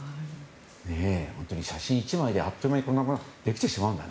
本当に写真１枚であっという間にこんなものができてしまうんだね。